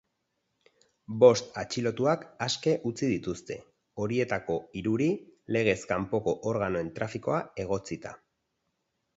Bost atxilotuak aske utzi dituzte, horietako hiruri legez kanpoko organoen trafikoa egotzita.